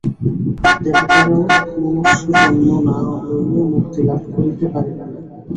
দেবতারাও মনুষ্যজন্ম না লইয়া মুক্তি লাভ করিতে পারেন না।